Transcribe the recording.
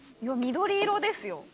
緑色ですよ。